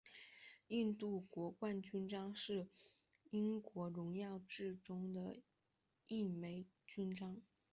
印度皇冠勋章是英国荣誉制度中的一枚勋章。